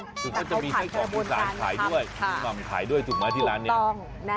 ก็จะมีไส้ของอุตสานขายด้วยมัมขายด้วยถูกไหมที่ร้านเนี้ยถูกต้องนะ